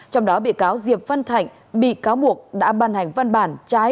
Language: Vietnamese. trong đó bị cao diệp văn thạnh bị cáo buộc đã bàn hành văn bản trái